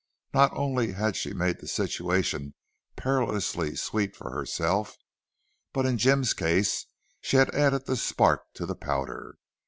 Not only had she made the situation perilously sweet for herself, but in Jim's case she had added the spark to the powder.